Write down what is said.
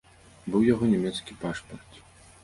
Быў у яго нямецкі пашпарт.